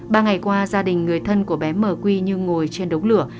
ba ngày qua gia đình người thân của bé m quy như ngồi trên đống lửa